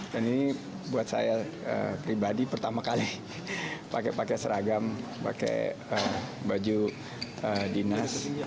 dan ini buat saya pribadi pertama kali pakai pakai seragam pakai baju dinas